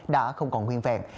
đã không còn nguyên vẹn